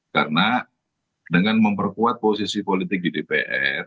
karena dengan memperkuat posisi politik di dpr